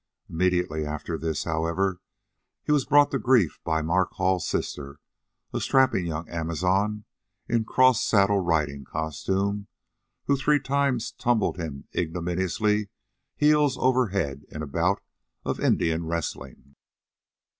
Immediately after this, however, he was brought to grief by Mark Hall's sister, a strapping young amazon in cross saddle riding costume, who three times tumbled him ignominiously heels over head in a bout of Indian wrestling.